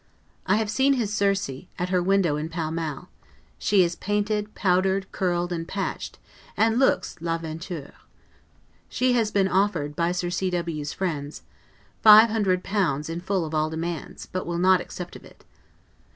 I have seen his Circe, at her window in Pall Mall; she is painted, powdered, curled, and patched, and looks 'l'aventure'. She has been offered, by Sir C. W 's friends, L500 in full of all demands, but will not accept of it.